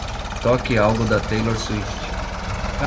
Toque algo da Taylor Swift.